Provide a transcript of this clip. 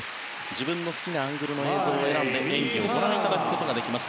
自分の好きなアングルを選んで演技をご覧いただくことができます。